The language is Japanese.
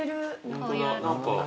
こういうのとか。